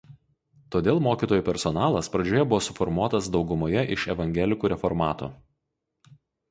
Todėl mokytojų personalas pradžioje buvo suformuotas daugumoje iš evangelikų reformatų.